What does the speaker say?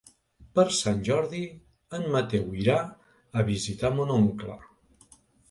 Per Sant Jordi en Mateu irà a visitar mon oncle.